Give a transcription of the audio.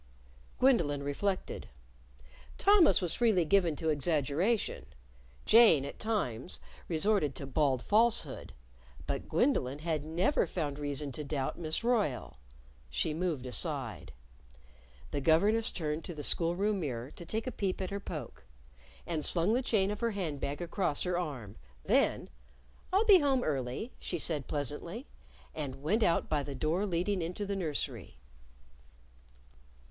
Gwendolyn reflected. Thomas was freely given to exaggeration. Jane, at times, resorted to bald falsehood. But Gwendolyn had never found reason to doubt Miss Royle. She moved aside. The governess turned to the school room mirror to take a peep at her poke, and slung the chain of her hand bag across her arm. Then, "I'll be home early," she said pleasantly. And went out by the door leading into the nursery.